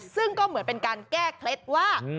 ซึ่งก็เหมือนเป็นการแก้เคล็ดว่า